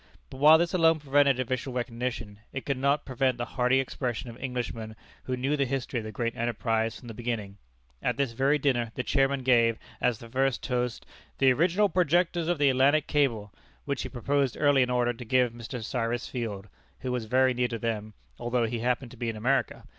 But while this alone prevented official recognition, it could not prevent the hearty expression of Englishmen who knew the history of the great enterprise from the beginning. At this very dinner, the Chairman gave, as the first toast, "The Original Projectors of the Atlantic Cable," which he proposed early in order to give Mr. Cyrus Field (who was very near to them, although he happened to be in America!)